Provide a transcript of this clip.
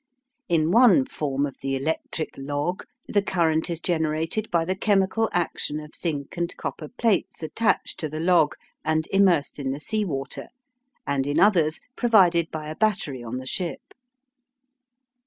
In one form of the "electric log," the current is generated by the chemical action of zinc and copper plates attached to the log, and immersed in the sea water, and in others provided by a battery on the ship.